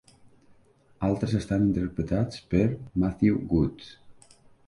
Altres estan interpretats per Matthew Good.